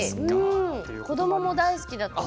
子どもも大好きだと思う。